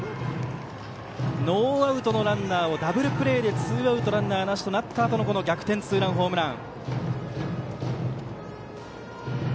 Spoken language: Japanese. ノーアウトのランナーをダブルプレーでツーアウトランナーなしとなったあとの逆転ツーランホームラン。